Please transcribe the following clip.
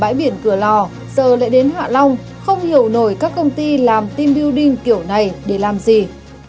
bãi biển cửa lò giờ lại đến hạ long không hiểu nổi các công ty làm team build đinh kiểu này để làm gì